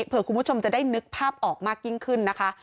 คุณผู้ชมจะได้นึกภาพออกมายิ่งขึ้นนะคะ